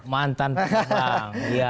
mantan penerbang ya